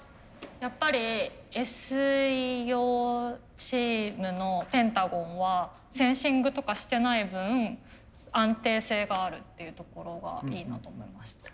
やっぱりＳ陽チームのペン太５んはセンシングとかしてない分安定性があるっていうところがいいなと思いました。